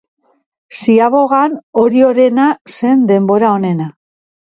Ziabogan, Oriorena zen denbora onena.